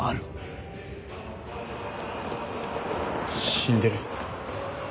死んでる。